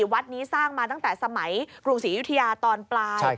วัดนี้สร้างมาตั้งแต่สมัยกรุงศรียุธยาตอนปลาย